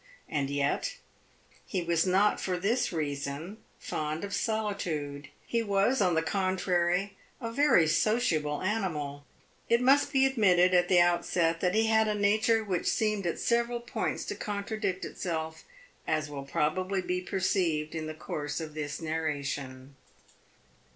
And yet he was not for this reason fond of solitude; he was, on the contrary, a very sociable animal. It must be admitted at the outset that he had a nature which seemed at several points to contradict itself, as will probably be perceived in the course of this narration.